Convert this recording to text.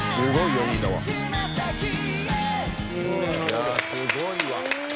いやすごいわ。